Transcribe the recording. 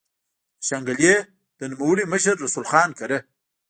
د شانګلې د نوموړي مشر رسول خان کره